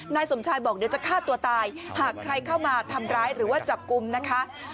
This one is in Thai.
นายสมชายบอกเดี๋ยวจะฆ่าตัวตายหากใครเข้ามาทำร้ายหรือว่าจับกลุ่มนะคะ